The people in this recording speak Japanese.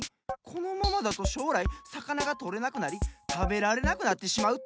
このままだとしょうらいさかながとれなくなりたべられなくなってしまうって。